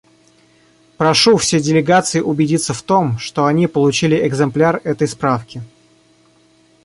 Прошу все делегации убедиться в том, что они получили экземпляр этой справки.